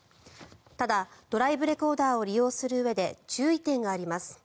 ただ、ドライブレコーダーを利用するうえで注意点があります。